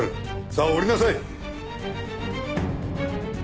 さあ下りなさい。